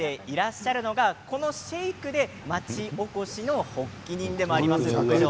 まさに今シェイクを作っていらっしゃるのがこのシェイクで町おこしの発起人でもあります。